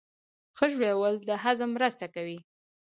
ښه ژوول د هضم مرسته کوي